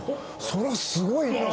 そらすごいな。